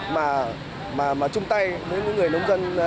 cái việc mà chung tay với những người nông dân